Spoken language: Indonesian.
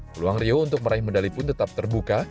peluang rio untuk meraih medali pun tetap terbuka